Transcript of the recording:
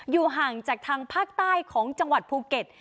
อยู่ห่างจากทางภาคใต้ของจังหวัดภูเก็ต